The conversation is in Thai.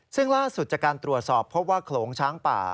ซึ่งล่าสุดจากการตรวจสอบพบว่าโขลงช้างป่า